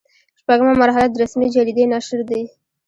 شپږمه مرحله د رسمي جریدې نشر دی.